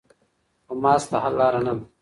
خو ماسک د حل لاره نه ده.